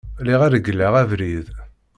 Lliɣ regleɣ abrid.